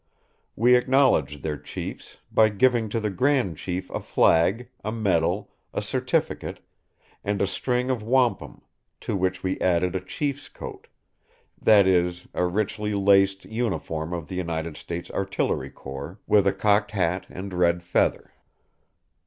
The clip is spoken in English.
We acknowledged their chiefs, by giving to the grand chief a flag, a medal, a certificate, and a string of wampum; to which we added a chief's coat that is, a richly laced uniform of the United States Artillery corps, with a cocked hat and red feather.